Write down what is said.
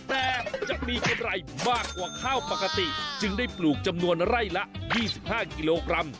แต่จะมีกำไรมากกว่าข้าวปกติจึงได้ปลูกจำนวนไร่ละ๒๕กิโลกรัม